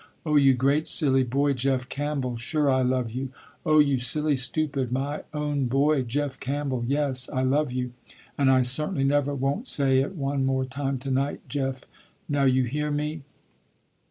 Oh you great silly boy Jeff Campbell, sure I love you, oh you silly stupid, my own boy Jeff Campbell. Yes I love you and I certainly never won't say it one more time to night Jeff, now you hear me."